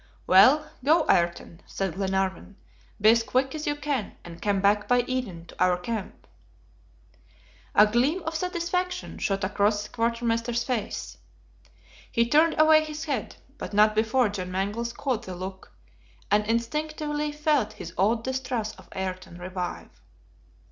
"Well, go, Ayrton," said Glenarvan. "Be as quick as you can, and come back by Eden to our camp." A gleam of satisfaction shot across the quartermaster's face. He turned away his head, but not before John Mangles caught the look and instinctively felt his old distrust of Ayrton revive.